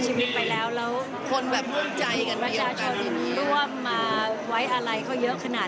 เขาไม่ได้เป็นคนที่ทำอะไรแล้วจะต้องฝากประกาศอะไรอย่างนี้นะครับ